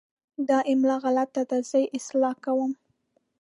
دا املا غلط ده، زه یې اصلاح کوم.